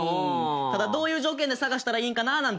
ただどういう条件で探したらいいんかなって思ってる。